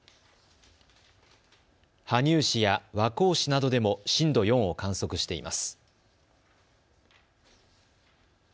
羽生市や和光市などでも震度４を観測しています。